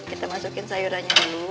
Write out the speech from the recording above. kita masukin sayurannya dulu